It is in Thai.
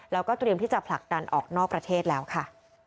แล้วก็เตรียมที่จะผลักดันออกนอกประเทศแล้วค่ะ